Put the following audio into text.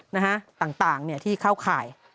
นะฮะต่างที่เข้าข่าย